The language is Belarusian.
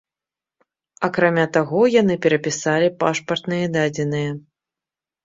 Акрамя таго яны перапісалі пашпартныя дадзеныя.